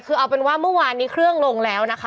คือเอาเป็นว่าเมื่อวานนี้เครื่องลงแล้วนะคะ